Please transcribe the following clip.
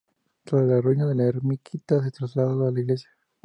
Tras la ruina de la ermita, se trasladó a la iglesia.